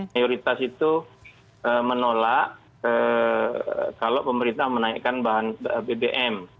mayoritas itu menolak kalau pemerintah menaikkan bahan bbm